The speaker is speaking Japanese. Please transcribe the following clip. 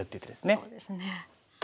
そうですね。